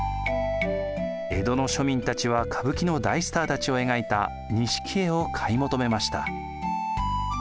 江戸の庶民たちは歌舞伎の大スターたちを描いた錦絵を買い求めました。